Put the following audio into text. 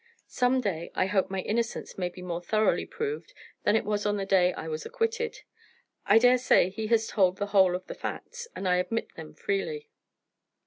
Some day I hope my innocence may be more thoroughly proved than it was on the day I was acquitted. I daresay he has told the whole of the facts, and I admit them freely."